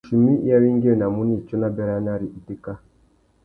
Tsuchimi i awéngüéwinamú nà itsôna béranari itéka.